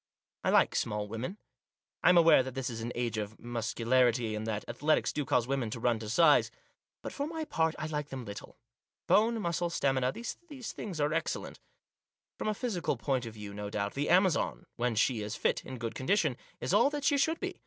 I like small women. I am aware that this is an age of muscularity, and that athletics do cause women to run to size. But, for my part, I like them little. Bone, muscle, stamina, these , things are excellent. From a physical point of view, no doubt, the Amazon, when she is fit, in good con dition, is all that she should be.